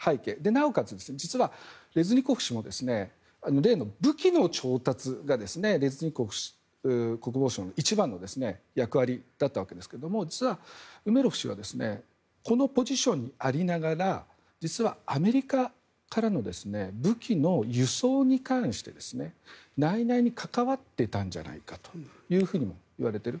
なおかつ、実はレズニコフ氏も例の武器の調達がレズニコフ国防相の一番の役割だったわけですがウメロフ氏はこのポジションにありながら実はアメリカからの武器の輸送に関して内々に関わっていたんじゃないかというふうにも言われている。